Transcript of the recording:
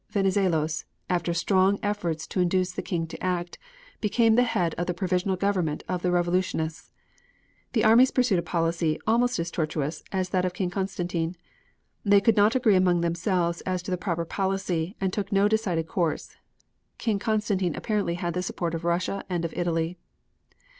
Venizelos, after strong efforts to induce the King to act, became the head of the Provisional Government of the Revolutionists. The Allies pursued a policy almost as tortuous as that of King Constantine. They could not agree among themselves as to the proper policy, and took no decided course. King Constantine apparently had the support of Russia and of Italy.